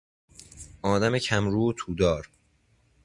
آدم کم رو و تودار